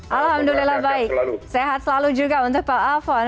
alhamdulillah baik sehat selalu juga untuk pak alfon